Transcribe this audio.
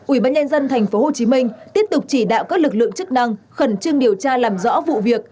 ủy ban nhân dân tp hcm tiếp tục chỉ đạo các lực lượng chức năng khẩn trương điều tra làm rõ vụ việc